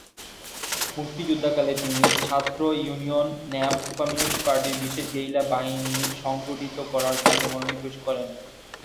মুক্তিযুদ্ধকালে তিনি ছাত্র ইউনিয়ন-ন্যাপ কমিউনিস্ট পার্টির বিশেষ গেরিলা বাহিনী সংগঠিত করার কাজে মনোনিবেশ করেন।